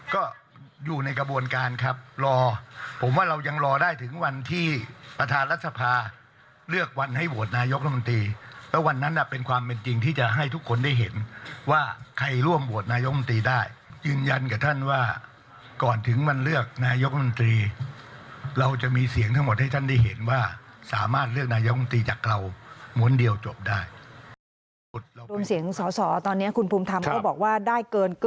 ก็อยู่ในกระบวนการครับรอผมว่าเรายังรอได้ถึงวันที่ประธานรัฐสภาเลือกวันให้โหวตนายกรัฐมนตรีแล้ววันนั้นเป็นความเป็นจริงที่จะให้ทุกคนได้เห็นว่าใครร่วมโหวตนายกรรมตรีได้ยืนยันกับท่านว่าก่อนถึงวันเลือกนายกรมนตรีเราจะมีเสียงทั้งหมดให้ท่านได้เห็นว่าสามารถเลือกนายกรรมตรีจากเราม้วนเดียวจบได้เกินก